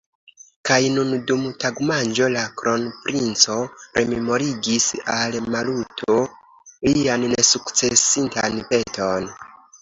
Kaj nun, dum tagmanĝo, la kronprinco rememorigis al Maluto lian nesukcesintan peton.